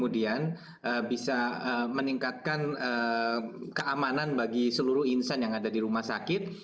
dan bisa meningkatkan keamanan bagi seluruh insan yang ada di rumah sakit